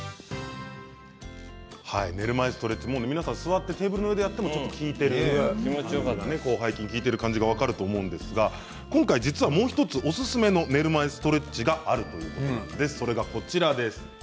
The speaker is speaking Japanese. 寝る前ストレッチ、皆さん座ってテーブルの上でやっても広背筋に効いている感じが分かると思うんですが、今回実はもう１つおすすめの寝る前ストレッチがあるんです。